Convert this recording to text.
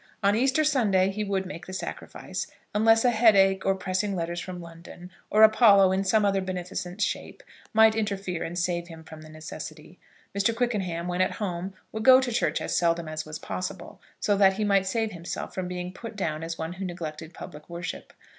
On Easter Sunday he would make the sacrifice, unless a headache, or pressing letters from London, or Apollo in some other beneficent shape, might interfere and save him from the necessity. Mr. Quickenham, when at home, would go to church as seldom as was possible, so that he might save himself from being put down as one who neglected public worship.